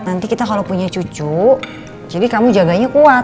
nanti kita kalau punya cucu jadi kamu jaganya kuat